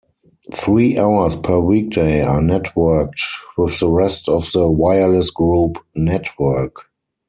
Three hours per weekday are networked with the rest of the Wireless Group Network.